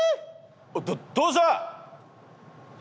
どどうした！？